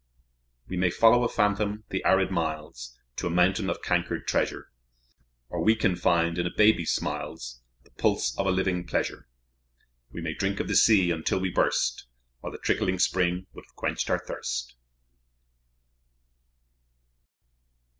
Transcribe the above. We may follow a phantom the arid miles To a mountain of cankered treasure, Or we can find, in a baby's smiles, The pulse of a living pleasure. We may drink of the sea until we burst, While the trickling spring would have quenched our thirst.